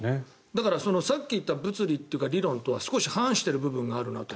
だからさっき言った物理というか理論とは少し反している部分があるなと。